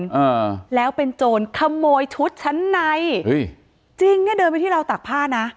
อ่าแล้วเป็นโจรขโมยชุดชั้นในเฮ้ยจริงเนี้ยเดินไปที่ราวตากผ้านะ